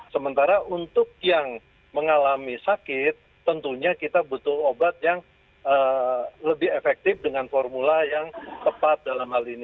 sementara untuk yang mengalami sakit tentunya kita butuh obat yang lebih efektif dengan formula yang tepat dalam hal ini